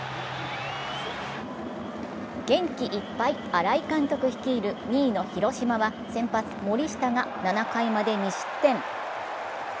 元気いっぱい新井監督率いる２位の広島は先発・森下が７回まで２失点。